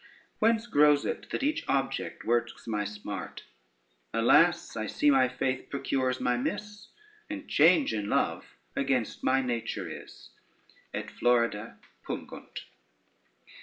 Whence grows it that each object works my smart? Alas, I see my faith procures my miss, And change in love against my nature is. _Et florida pungunt.